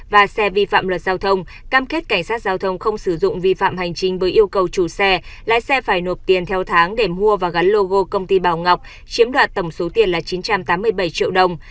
và xe vi phạm luật giao thông cam kết cảnh sát giao thông không sử dụng vi phạm hành chính với yêu cầu chủ xe lái xe phải nộp tiền theo tháng để mua và gắn logo công ty bảo ngọc chiếm đoạt tổng số tiền là chín trăm tám mươi bảy triệu đồng